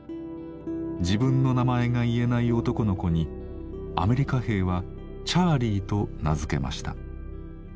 自分の名前が言えない男の子にアメリカ兵はチャーリーと名付けました。